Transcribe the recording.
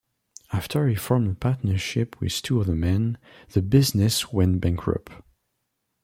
After he formed a partnership with two other men, the business went bankrupt.